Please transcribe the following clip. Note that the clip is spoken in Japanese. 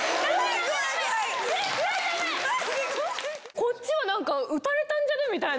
こっちはなんか、撃たれたんじゃね？みたいな。